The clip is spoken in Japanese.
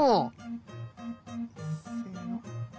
せの！